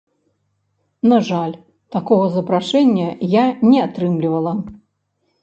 На жаль, такога запрашэння я не атрымлівала.